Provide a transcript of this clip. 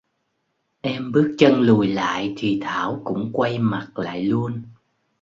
Em bước chân lùi lại thì thảo cũng quay mặt lại luôn